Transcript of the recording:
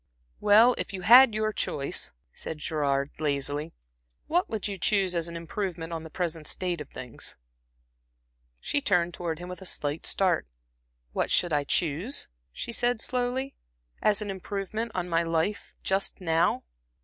"Well, if you had your choice," said Gerard, lazily, "what would you choose as an improvement on the present state of things?" She turned towards him with a slight start. "What should I choose," she said, slowly "as an improvement on my life just now?"